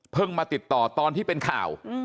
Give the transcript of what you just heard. มาติดต่อตอนที่เป็นข่าว